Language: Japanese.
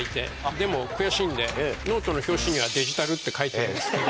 でも悔しいんでノートの表紙には「デジタル」って書いてるんです。